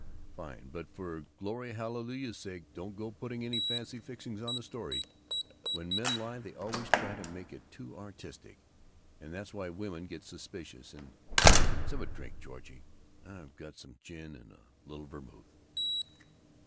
"Fine. But for glory hallelujah's sake don't go putting any fancy fixings on the story. When men lie they always try to make it too artistic, and that's why women get suspicious. And Let's have a drink, Georgie. I've got some gin and a little vermouth."